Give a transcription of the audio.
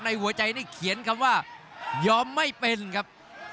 หัวใจนี่เขียนคำว่ายอมไม่เป็นครับ